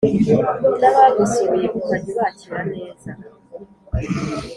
N’abagusuye ukajya ubakira neza